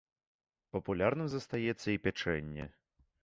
Папулярным застаецца і пячэнне.